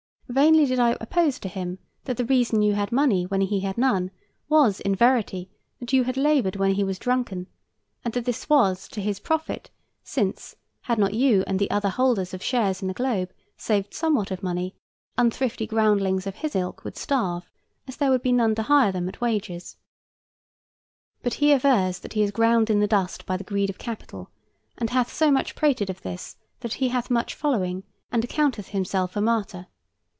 Vainly did I oppose to him that the reason you had money when he had none was in verity that you had labored when he was drunken, and that this was to his profit, since, had not you and the other holders of shares in the Globe saved somewhat of money, unthrifty groundlings of his ilk would starve, as there would be none to hire them at wages; but he avers that he is ground in the dust by the greed of capital, and hath so much prated of this that he hath much following, and accounteth himself a martyr.